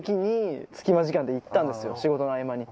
仕事の合間に。